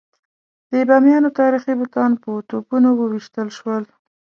د بامیانو تاریخي بوتان په توپونو وویشتل شول.